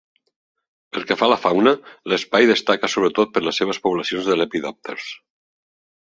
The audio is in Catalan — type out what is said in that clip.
Pel que fa a la fauna, l'espai destaca sobretot per les seves poblacions de lepidòpters.